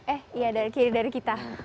eh iya dari kiri dari kita